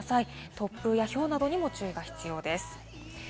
突風やひょうなどにも注意が必要です。